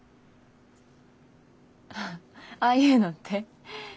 ああいうのって？